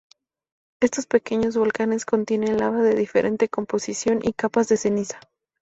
Estos pequeños volcanes contienen lava de diferente composición y capas de cenizas